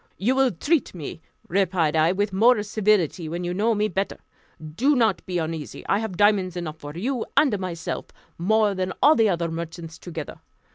"You will treat me," replied I, "with more civility, when you know me better. Do not be uneasy; I have diamonds enough for you and myself, more than all the other merchants together.